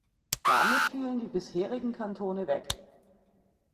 Damit fielen die bisherigen Kantone weg.